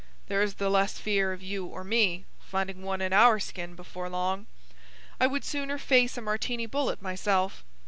There is the less fear of you or me finding one in our skin before long. I would sooner face a Martini bullet, myself.